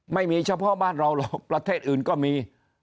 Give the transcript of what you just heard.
ไม่มีเฉพาะบ้านเราหรอกประเทศอื่นก็มี